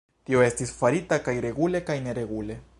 Tio estis farita kaj regule kaj neregule.